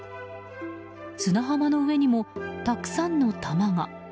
砂浜の上にも、たくさんの玉が。